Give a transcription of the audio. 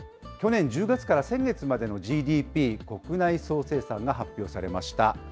去年１０月から先月までのＧＤＰ・国内総生産が発表されました。